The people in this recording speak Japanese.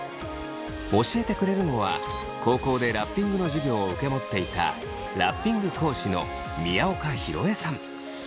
教えてくれるのは高校でラッピングの授業を受け持っていたラッピング講師の宮岡宏会さん。